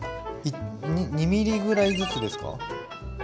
２ｍｍぐらいずつですか？